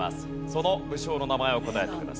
その武将の名前を答えてください。